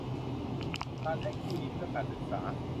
การให้กู้ยืมเพื่อการศึกษา